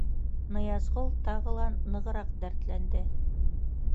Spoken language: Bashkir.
Ныязғол тағы ла нығыраҡ дәртләнде: